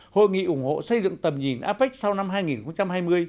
hội nghị ủng hộ xây dựng tầm nhìn apec sau năm hai nghìn hai mươi